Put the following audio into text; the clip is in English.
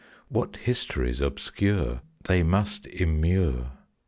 What histories obscure They must immure!